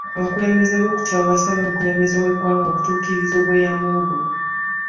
Abakulembeze b'okukyalo baasabye omukulembeze w'eggwanga okutukiriza obweyamo bwe.